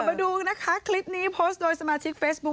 มาดูนะคะคลิปนี้โพสต์โดยสมาชิกเฟซบุ๊